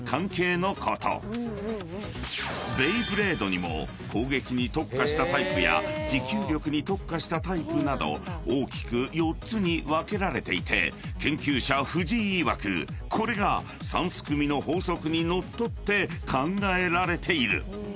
［ベイブレードにも攻撃に特化したタイプや持久力に特化したタイプなど大きく４つに分けられていて研究者藤井いわくこれが三すくみの法則にのっとって考えられている］